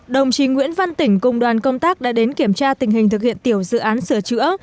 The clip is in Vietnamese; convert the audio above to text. đồng chí nguyễn văn tỉnh cùng đoàn công tác đã đến kiểm tra tình hình thực hiện tiểu dự án sửa chữa